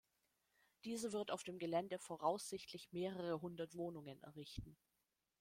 Diese wird auf dem Gelände voraussichtlich mehrere hundert Wohnungen errichten.